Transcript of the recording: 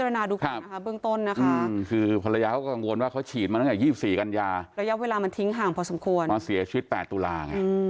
เรากังวลตรงนี้เราก็เลยเป็นกังวลว่าโหสงสัยไม่ได้ในแน่เลยเพราะแฟนมันเสียชีวิต๒อาทิตย์ต่อมา